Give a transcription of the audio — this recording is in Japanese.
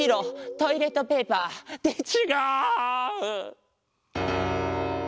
トイレットペーパー。ってちがう！